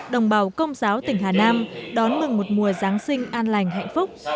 đồng bào công giáo tỉnh hà nam đón mừng một mùa giáng sinh an lành hạnh phúc